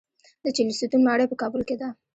د چهلستون ماڼۍ په کابل کې ده